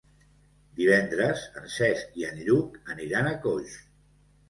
Divendres en Cesc i en Lluc aniran a Coix.